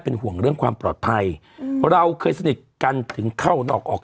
ห่วงเรื่องความปลอดภัยเราเคยสนิทกันถึงเข้านอกออก